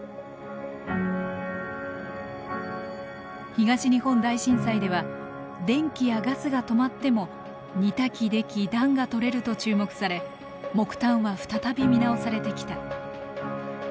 東日本大震災では電気やガスが止まっても煮炊きでき暖がとれると注目され木炭は再び見直されてきた。